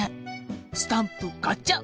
スタンプガチャッ。